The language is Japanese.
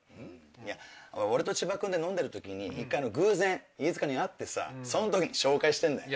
いや俺と千葉君で飲んでる時に１回偶然飯塚に会ってさそん時に紹介してんだよ。